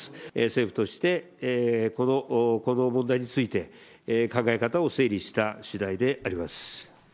政府として、この問題について、考え方を整理したしだいであります。